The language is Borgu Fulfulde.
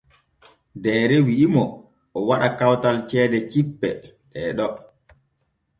Deere wi’i mo o waɗa kawtal ceede cippe ɗee ɗo.